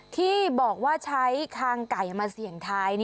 ที่บอกว่าใช้คางไก่มาเสี่ยงท้าย